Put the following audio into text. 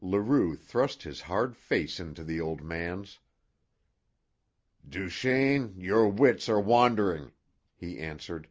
Leroux thrust his hard face into the old man's. "Duchaine, your wits are wandering," he answered.